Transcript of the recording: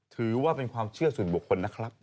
ถือว่าเป็นความเชื่อส่วนบุคคลนะครับ